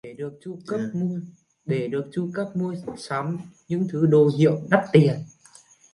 Để được chu cấp mua sắm những thứ đồ hiệu đắt tiền